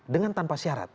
dengan tanpa syarat